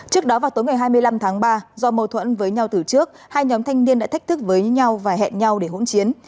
trước đó vào tối ngày hai mươi năm tháng ba do mâu thuẫn với nhau từ trước hai nhóm thanh niên đã thách thức với nhau và hẹn nhau để hỗn chiến